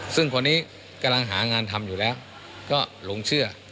ซึ่งคนนี้กำลังหางานทำอยู่แล้วก็หลงเชื่อ